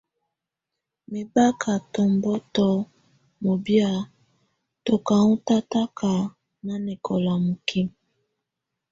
Mɛbaka tɔbɔŋtɔ̀ mɔbɛ̀á tù ka ɔn tataka nanɛkɔla mikimǝ.